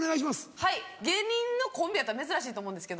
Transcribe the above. はい芸人のコンビやったら珍しいと思うんですけど